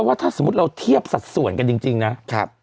ว่าถ้าสมมุติเราเทียบสัดส่วนกันจริงนะ